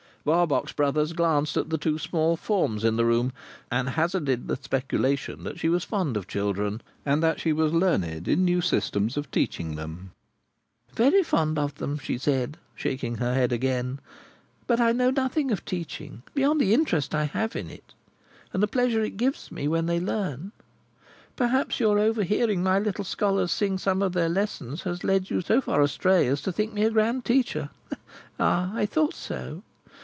Barbox Brothers glanced at the two small forms in the room, and hazarded the speculation that she was fond of children, and that she was learned in new systems of teaching them? "Very fond of them," she said, shaking her head again; "but I know nothing of teaching, beyond the interest I have in it, and the pleasure it gives me when they learn. Perhaps your overhearing my little scholars sing some of their lessons, has led you so far astray as to think me a grand teacher? Ah! I thought so!